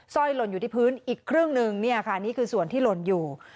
ร้อยหล่นอยู่ที่พื้นอีกครึ่งหนึ่งเนี่ยค่ะนี่คือส่วนที่หล่นอยู่